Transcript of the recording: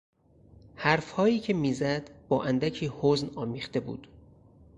حرفهایی که میزد بااندکی حزن آمیخته بود.